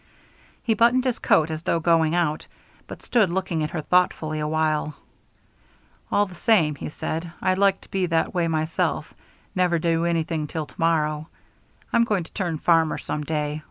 He buttoned his coat as though going out, but stood looking at her thoughtfully awhile. "All the same," he said, "I'd like to be that way myself; never do anything till to morrow. I'm going to turn farmer some day.